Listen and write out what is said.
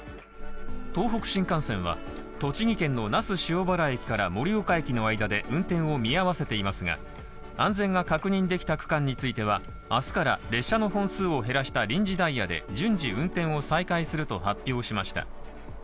東北新幹線は栃木県の那須塩原駅から盛岡駅の間で運転を見合わせていますが安全が確認できた区間については明日から列車の本数を減らした臨時ダイヤで順次運転を再開すると発表しました。